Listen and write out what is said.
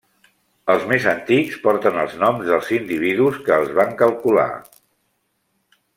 Els més antics porten els noms dels individus que els van calcular.